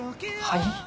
はい？